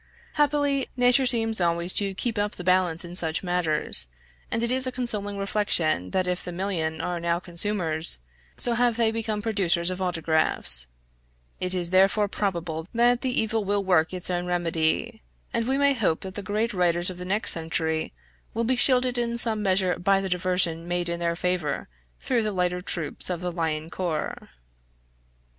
Happily, nature seems always to keep up the balance in such matters, and it is a consoling reflection that if the million are now consumers, so have they become producers of autographs; it is therefore probable that the evil will work its own remedy; and we may hope that the great writers of the next century will be shielded in some measure by the diversion made in their favor through the lighter troops of the lion corps.